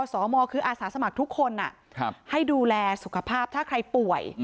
สมคืออาสาสมัครทุกคนให้ดูแลสุขภาพถ้าใครป่วย